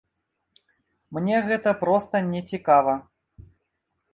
Мне гэта проста нецікава.